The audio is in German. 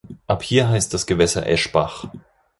Ab hier heißt das Gewässer Eschbach.